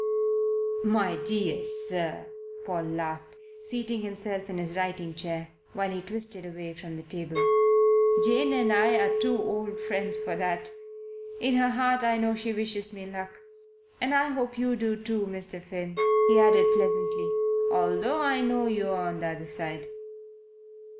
"My dear sir," Paul laughed, seating himself in his writing chair, which he twisted away from the table, "Jane and I are too old friends for that. In her heart I know she wishes me luck. And I hope you do too, Mr. Finn," he added pleasantly "although I know you're on the other side."